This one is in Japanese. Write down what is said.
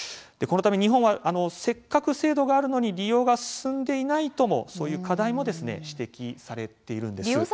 このため日本はせっかく制度があるのに利用が進んでいないともそういう課題も指摘されているんです。